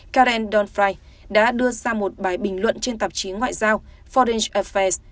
karen donfry đã đưa ra một bài bình luận trên tạp chí ngoại giao foreign affairs